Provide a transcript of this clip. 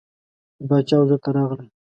د باچا حضور ته راغلل.